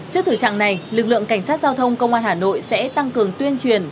trước thử trạng này lực lượng cảnh sát giao thông công an hà nội sẽ tăng cường tuyên truyền